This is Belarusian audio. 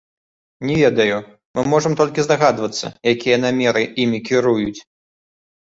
Не ведаю, мы можам толькі здагадвацца, якія намеры імі кіруюць.